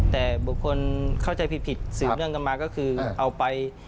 แต่บุคคลเข้าใจผิดสืบเนื่องกันมาก็คือเอาไป